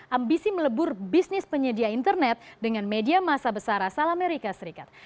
ambisi melebur bisnis penyedia internet dengan media masa besar asal amerika serikat